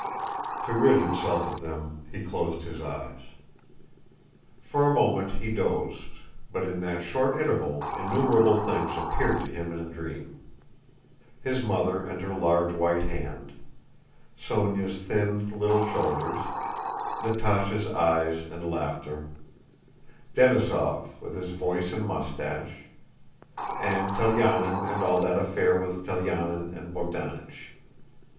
To rid himself of them he closed his eyes. For a moment he dozed, but in that short interval innumerable things appeared to him in a dream: his mother and her large white hand, Sónya's thin little shoulders, Natásha's eyes and laughter, Denísov with his voice and mustache, and Telyánin and all that affair with Telyánin and Bogdánich.